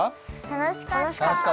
楽しかった？